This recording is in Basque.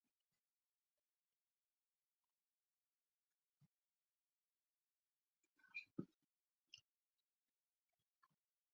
Hala ere, gehien saltzen dituztenak itsasoko espagetia eta itsasoko uraza dira.